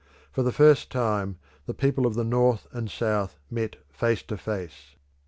For the first time the people of the North and South met face to face.